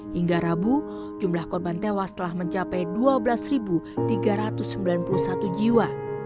hingga rabu jumlah korban tewas telah mencapai dua belas tiga ratus sembilan puluh satu jiwa